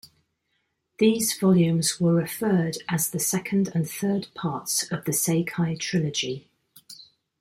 These volumes were referred as the second and third parts of the "Seikai Trilogy".